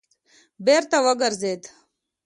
بېرته وګرځېد.